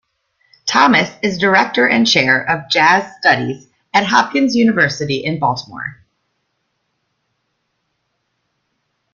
Thomas is Director and Chair of Jazz Studies at Johns Hopkins University in Baltimore.